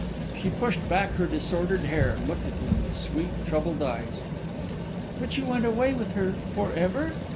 ] She pushed back her disordered fair hair, and looked at him with sweet, troubled eyes. "But you went away with her for ever?"